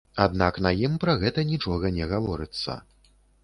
Аднак на ім пра гэта нічога не гаворыцца.